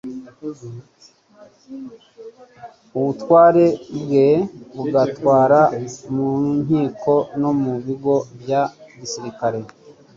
ubutware bwe bugatwara mu nkiko no mu bigo bya gisirikare,